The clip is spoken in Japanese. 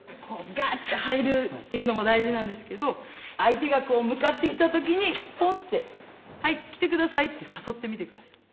こうガって入るっていうのも大事なんですけど相手がこう向かってきた時にポンって「はい来てください」って誘ってみてください。